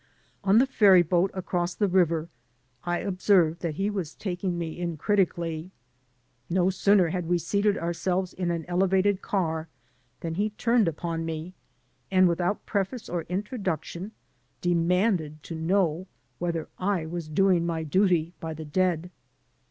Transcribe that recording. On the ferry boat across the river I observed that he was taking me in critically. No sooner had we seated ourselves in an Elevated car than he turned upon me and, without preface or intro duction, demanded to know whether I was doing my duty by the dead.